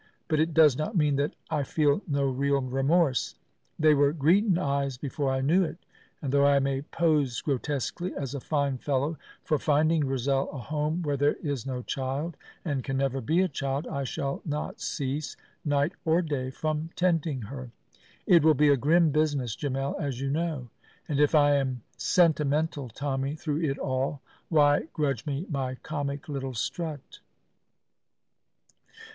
But it does not mean that I feel no real remorse. They were greetin' eyes before I knew it, and though I may pose grotesquely as a fine fellow for finding Grizel a home where there is no child and can never be a child, I shall not cease, night nor day, from tending her. It will be a grim business, Gemmell, as you know, and if I am Sentimental Tommy through it all, why grudge me my comic little strut?"